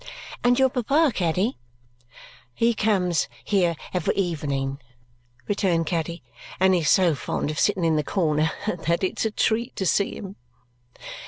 "And your papa, Caddy?" "He comes here every evening," returned Caddy, "and is so fond of sitting in the corner there that it's a treat to see him."